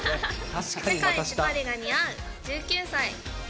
世界一パリが似合う１９歳。